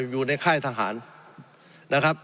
อยู่ในค่ายทหารนะครับ